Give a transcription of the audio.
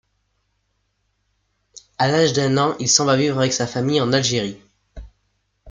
À l'âge d'un an, il s'en va vivre avec sa famille en Algérie.